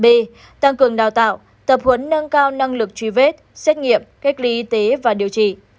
b tăng cường đào tạo tập huấn nâng cao năng lực truy vết xét nghiệm cách ly y tế và điều trị